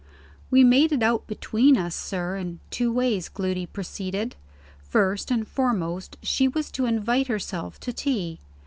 "We made it out between us, sir, in two ways," Gloody proceeded. "First and foremost, she was to invite herself to tea.